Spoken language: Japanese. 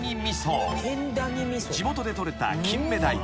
［地元でとれたキンメダイ。